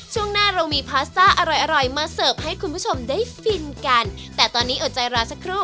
อ่ะวันนี้ขอบคุณเฮียมากขอบคุณครับ